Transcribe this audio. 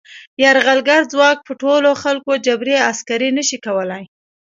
یرغلګر ځواک په ټولو خلکو جبري عسکري نه شي کولای.